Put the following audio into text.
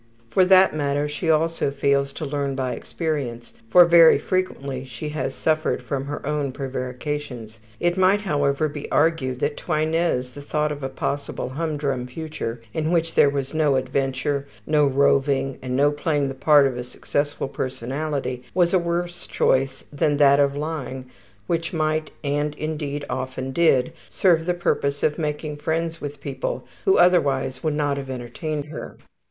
For that matter, she also fails to learn by experience, for very frequently she has suffered from her own prevarications. It might, however, be argued that to Inez the thought of a possible hum drum future in which there was no adventure, no roving, and no playing the part of a successful personality, was a worse choice than that of lying, which might and, indeed, often did serve the purpose of making friends with people, who otherwise would not have entertained her.